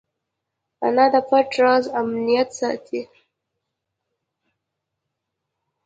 انا د پټ راز امانت ساتي